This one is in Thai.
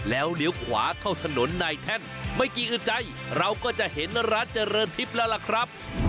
แล้วเลี้ยวขวาเข้าถนนในแท่นไม่กี่อึดใจเราก็จะเห็นร้านเจริญทิพย์แล้วล่ะครับ